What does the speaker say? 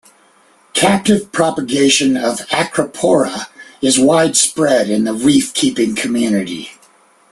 Captive propagation of "Acropora" is widespread in the reef-keeping community.